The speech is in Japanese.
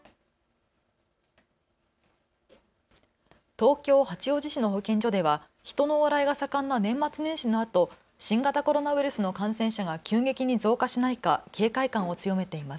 東京八王子市の保健所では人の往来が盛んな年末年始のあと新型コロナウイルスの感染者が急激に増加しないか警戒感を強めています。